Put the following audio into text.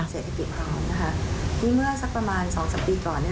เศรษฐกิจพร้อมนะคะนี่เมื่อสักประมาณสองสามปีก่อนเนี้ย